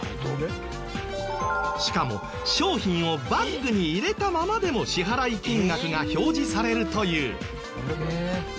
しかも商品をバッグに入れたままでも支払金額が表示されるという。